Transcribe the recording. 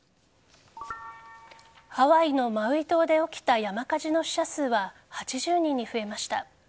ハワイのマウイ島で起きた山火事の死者数は８０人に増えました。